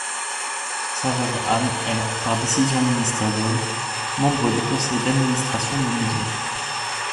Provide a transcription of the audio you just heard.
Sa veuve, Anne, est, par décision ministérielle, membre du conseil d'administration du musée.